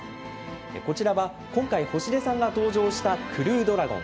こちらは今回、星出さんが搭乗したクルードラゴン。